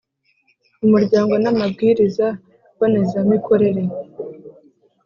umuryango n amabwiriza mbonezamikorere